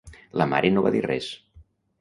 La mare no va dir res.